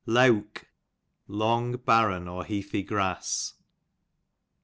Leawk, long^ barren or heathy grass.